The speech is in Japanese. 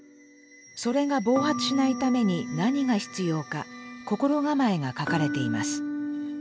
それが暴発しないために何が必要か心構えが書かれています。